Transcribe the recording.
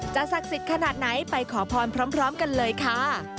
ศักดิ์สิทธิ์ขนาดไหนไปขอพรพร้อมกันเลยค่ะ